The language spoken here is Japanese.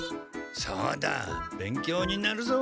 そうだ勉強になるぞ。